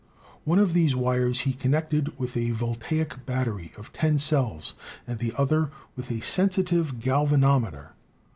One of these wires he connected with a voltaic battery of ten cells, and the other with a sensitive gal vanometer.